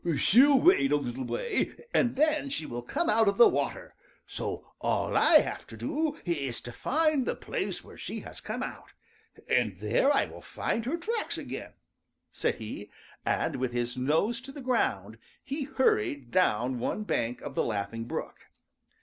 "She'll wade a little way, and then she will come out of the water, so all I have to do is to find the place where she has come out, and there I will find her tracks again," said he, and with his nose to the ground he hurried down one bank of the Laughing Brook.